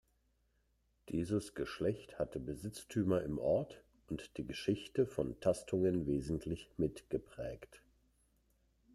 Dieses Geschlecht hatte Besitztümer im Ort und die Geschichte von Tastungen wesentlich mitgeprägt.